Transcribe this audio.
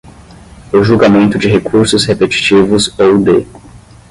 o julgamento de recursos repetitivos ou de